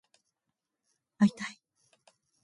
会いたい